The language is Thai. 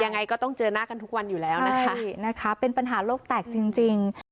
ยังไงก็ต้องเจอหน้ากันทุกวันอยู่แล้วนะคะใช่นะคะเป็นปัญหาโลกแตกจริงจริง